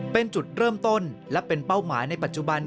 เป็นจุดเริ่มต้นและเป็นเป้าหมายในปัจจุบัน